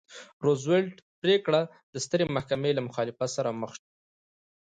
د روزولټ پرېکړه د سترې محکمې له مخالفت سره مخ شوه.